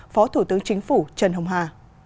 phó thủ tướng chính phủ trần hồng hà